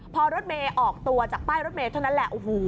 พอรถเมย์ออกตัวจากป้ายรถเมย์เท่านั้นแหละโอ้โห